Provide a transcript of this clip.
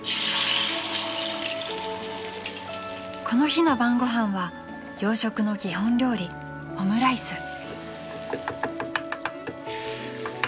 ［この日の晩ご飯は洋食の基本料理オムライス］